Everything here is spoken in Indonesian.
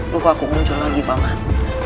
kok aku muncul lagi paman